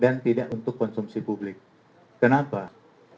jadi kita harus melakukan hal yang lebih berbahaya